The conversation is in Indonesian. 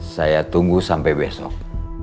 saya tunggu sampai besok